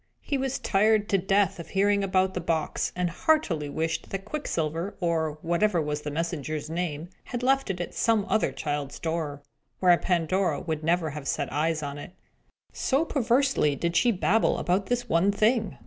He was tired to death of hearing about the box, and heartily wished that Quicksilver, or whatever was the messenger's name, had left it at some other child's door, where Pandora would never have set eyes on it. So perseveringly as did she babble about this one thing!